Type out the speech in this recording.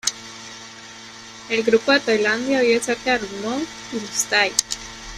El grupo de Tailandia vive cerca de los Hmong y los Thai.